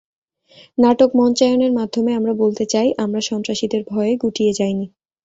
নাটক মঞ্চায়নের মাধ্যমে আমরা বলতে চাই, আমরা সন্ত্রাসীদের ভয়ে গুটিয়ে যাইনি।